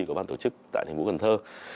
của ban tổ chức tại thành phố cần thơ